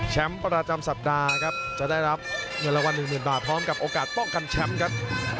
แชมพประจำสัปดาห์ครับจะได้รับเงินละวัน๑๐๐๐บาห์พร้อมกับโอกาสป้องกันแชมพครับ